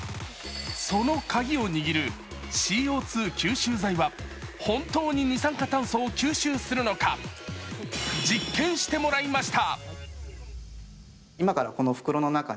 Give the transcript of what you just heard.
そのカギを握るＣＯ２吸収剤は本当に二酸化炭素を吸収するのか、実験してもらいました。